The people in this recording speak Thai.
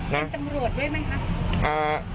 นักการเมืองท้องถิ่นด้วยไหมครับ